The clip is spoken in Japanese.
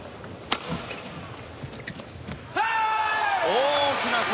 大きな声。